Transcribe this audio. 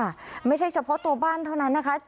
ไม่ใช่เฉพาะตัวบ้านเท่านั้นนะคะ